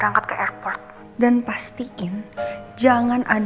aduh apa lagi sih